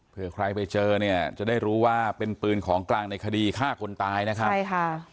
เพื่อใครไปเจอเนี่ยจะได้รู้ว่าเป็นปืนของกลางในคดีฆ่าคนตายนะครับใช่ค่ะ